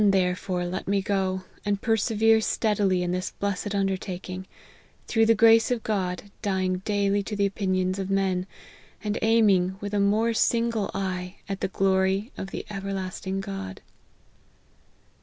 therefore, let me go, and persevere steadily in this blessed undertaking : through the grace of God, dying daily to the opinions of men, and aiming, with a more single eye, at the glory of the ever lasting God."